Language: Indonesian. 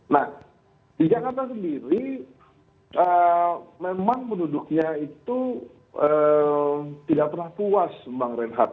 nah di jakarta sendiri memang penduduknya itu tidak pernah puas bang reinhardt